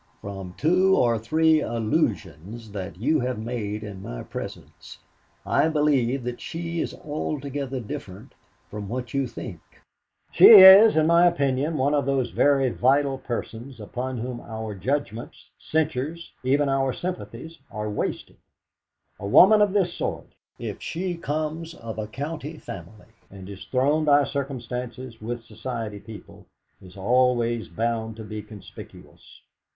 From two or three allusions that you have made in my presence, I believe that she is altogether different from what you think. She is, in my opinion, one of those very vital persons upon whom our judgments, censures, even our sympathies, are wasted. A woman of this sort, if she comes of a county family, and is thrown by circumstances with Society people, is always bound to be conspicuous.